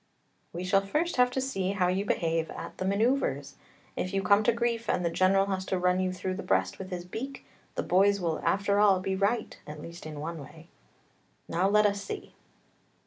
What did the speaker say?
" We shall first have to see how you behave at the manoeuvres! If you come to grief and the general has to run you through the breast with his beak, the boys will after all be right, at least in one way! Now let us see!